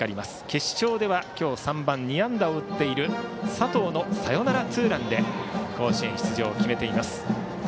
決勝では今日３番、２安打を打っている佐藤のサヨナラツーランで甲子園出場を決めています。